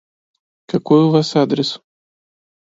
Какой у вас адрес?